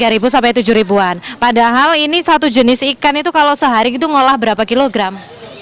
rp tiga sampai tujuh ribuan padahal ini satu jenis ikan itu kalau sehari itu ngolah berapa kilogram